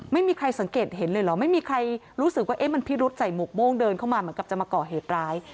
ไม่มีใครสังเกตเห็นรู้สึกว่ามันผิดรุดใส่หมวกโม่งเดินเข้ามาเหมือนจะมาก่อเหตุร้าย